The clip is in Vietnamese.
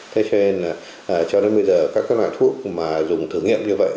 thế cho nên là cho đến bây giờ các loại thuốc mà dùng thử nghiệm như vậy